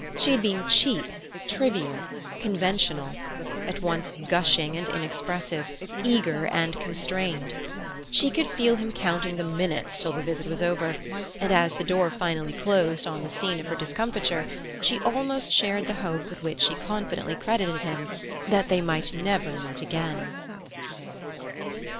She had been cheap, trivial, conventional; at once gushing and inexpressive, eager and constrained. She could feel him counting the minutes till the visit was over, and as the door finally closed on the scene of her discomfiture she almost shared the hope with which she confidently credited him that they might never meet again.